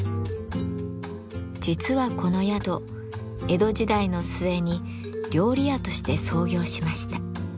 実はこの宿江戸時代の末に料理屋として創業しました。